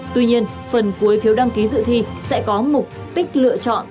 tuy nhiên phần cuối phiếu đăng ký dự thi sẽ có mục tích lựa chọn